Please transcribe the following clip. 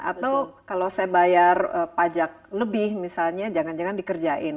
atau kalau saya bayar pajak lebih misalnya jangan jangan dikerjain